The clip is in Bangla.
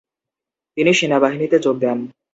তিনি সেনাবাহিনীতে যোগ দেন।